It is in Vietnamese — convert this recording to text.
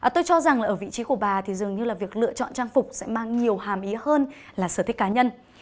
tôi cho rằng ở vị trí của bà thì dường như là việc lựa chọn trang phục sẽ mang nhiều hàm ý hơn là sở thích cá nhân